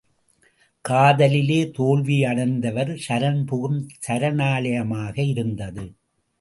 காதலிலே தோல்வி அடைந்தவர் சரண் புகும் சரணாலயமாக இருந்தது.